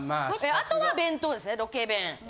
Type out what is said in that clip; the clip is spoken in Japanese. あとは弁当ですねロケ弁。